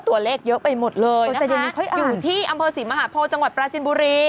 ตัวเลขเยอะไปหมดเลยนะคะอยู่ที่อำเภอศรีมหาโพจังหวัดปราจินบุรี